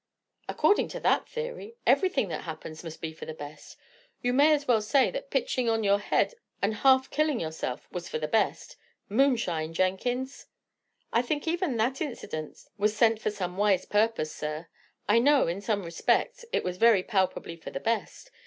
"According to that theory, everything that happens must be for the best. You may as well say that pitching on to your head and half killing yourself, was for the best. Moonshine, Jenkins!" "I think even that accident was sent for some wise purpose, sir. I know, in some respects, it was very palpably for the best.